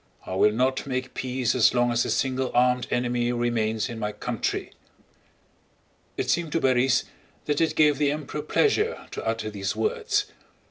I will not make peace as long as a single armed enemy remains in my country!" It seemed to Borís that it gave the Emperor pleasure to utter these words.